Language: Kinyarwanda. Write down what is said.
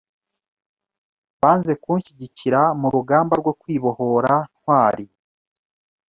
banze kunshyigikira mu rugamba rwo kwibohora Ntwari.